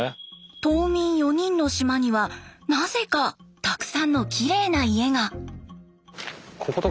島民４人の島にはなぜかたくさんのきれいな家が。